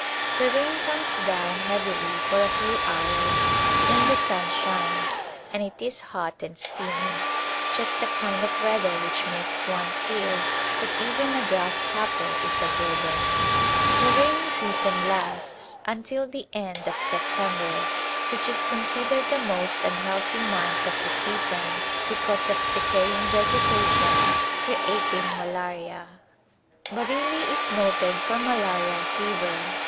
The rain comes down heavily for a few hours then the sun shines and it is hot and steamy, just the kind of weather which makes one feel that even a grass hopper is a burden. The rainy season lasts until the end of September, which is considered the most un healthy month of the season because of decaying vege tation creating malaria. A Glimpse of India Bareilly is noted for malarial fever.